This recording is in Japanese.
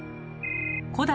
古代